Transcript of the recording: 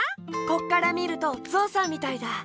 ここからみるとゾウさんみたいだ。